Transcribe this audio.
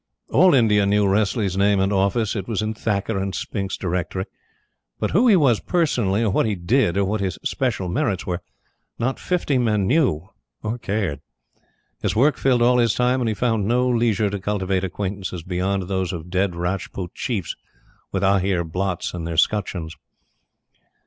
All India knew Wressley's name and office it was in Thacker and Spink's Directory but who he was personally, or what he did, or what his special merits were, not fifty men knew or cared. His work filled all his time, and he found no leisure to cultivate acquaintances beyond those of dead Rajput chiefs with Ahir blots in their 'scutcheons.